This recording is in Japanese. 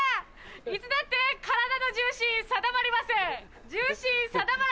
いつだって体の重心定まりません。